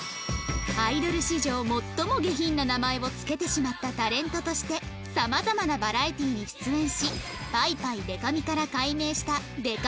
アイドル史上最も下品な名前を付けてしまったタレントとしてさまざまなバラエティーに出演しぱいぱいでか美から改名したでか美ちゃん